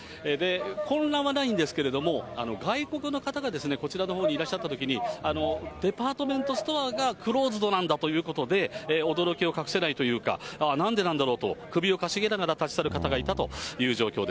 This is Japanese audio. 混乱はないんですけれども、外国の方がこちらのほうにいらっしゃったときに、デパートメントストアがクローズドなんだということで、驚きを隠せないというか、なんでなんだろうと首をかしげながら立ち去る方がいたという状況